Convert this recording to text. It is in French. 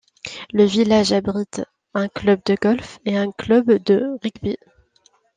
Le village abrite un club de golf et un club de rugby.